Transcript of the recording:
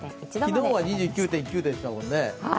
昨日は２９．９度でしたもんね。